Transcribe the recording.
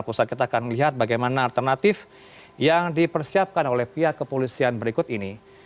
pusat kita akan melihat bagaimana alternatif yang dipersiapkan oleh pihak kepolisian berikut ini